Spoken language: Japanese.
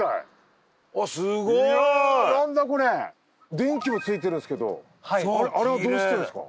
電気もついてるんですけどあれはどうしてですか？